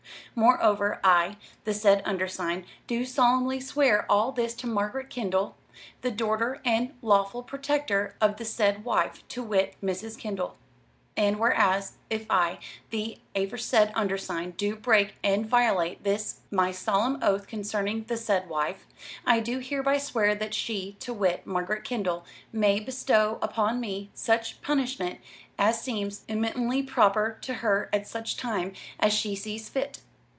Moreover, I, the said Undersigned do solumly Swear all this to Margaret Kendall, the dorter and Lawfull Protectur of the said Wife, to wit, Mrs. Kendall. And whereas, if I, the aforesaid Undersigned do break and violate this my solum Oath concerning the said Wife, I do hereby Swear that she, to wit, Margaret Kendall, may bestow upon me such Punishmunt as seems eminuntly proper to her at such time as she sees fit.